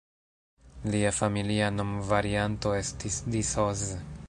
Lia familia nomvarianto estis "D’Isoz".